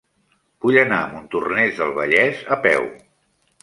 Vull anar a Montornès del Vallès a peu.